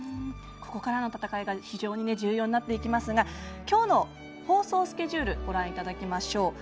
ここからの戦いが非常に重要になっていきますがきょうの放送スケジュールご覧いただきましょう。